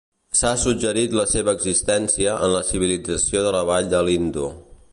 S'ha suggerit la seva existència en la Civilització de la Vall de l'Indo.